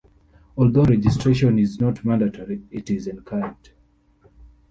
Although registration is not mandatory, it is encouraged.